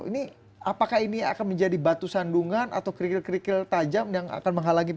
ini apakah ini akan menjadi batu sandungan atau kerikil kerikil tajam yang akan menghalangi